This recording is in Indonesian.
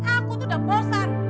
aku tuh udah bosan